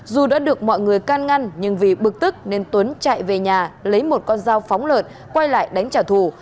dù đã được mọi người can ngăn nhưng vì bực tức nên tuấn chạy về nhà lấy một con dao phóng lợn quay lại đánh trả thù